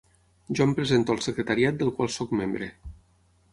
Jo em presento al secretariat del qual sóc membre.